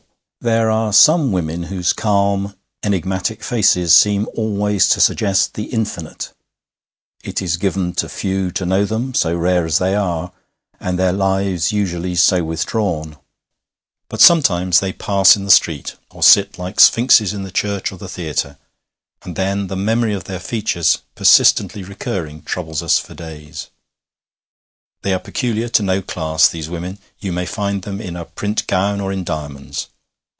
There are some women whose calm, enigmatic faces seem always to suggest the infinite. It is given to few to know them, so rare as they are, and their lives usually so withdrawn; but sometimes they pass in the street, or sit like sphinxes in the church or the theatre, and then the memory of their features, persistently recurring, troubles us for days. They are peculiar to no class, these women: you may find them in a print gown or in diamonds.